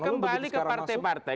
kembali ke partai partai